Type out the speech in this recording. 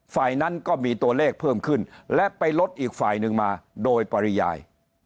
ฝ่ายนั้นก็มีตัวเลขเพิ่มขึ้นและไปลดอีกฝ่ายหนึ่งมาโดยปริยาย